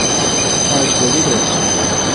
آج گھن عید دوس۔